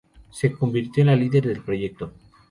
Se convirtió en la líder del proyecto.